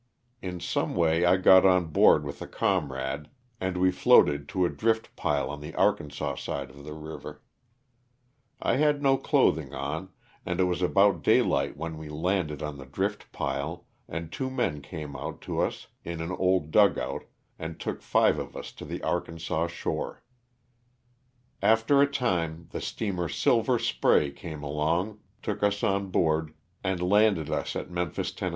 In some way I got on a board with a comrade, and we LOSS OF THE SULTANA. 83 floated to a drift pile on the Arkansas side of the river, I had no clothing on, and it was about daylight when we landed on the drift pile and two men came out to us in an old dugout and took five of us to the Arkansas shore. After a time the steamer *' Silver Spray" came along, took us on board and landed us at Memphis, Tenn.